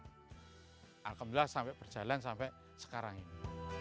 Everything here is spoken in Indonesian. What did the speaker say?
alhamdulillah sampai berjalan sampai sekarang ini